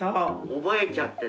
覚えちゃって。